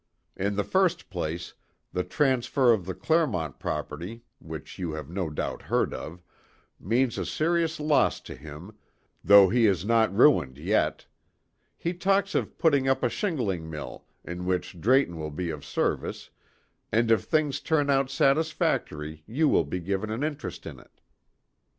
In the first place, the transfer of the Clermont property, which you have no doubt heard of, means a serious loss to him, though he is not ruined yet. He talks of putting up a shingling mill, in which Drayton will be of service, and if things turn out satisfactory you will be given an interest in it."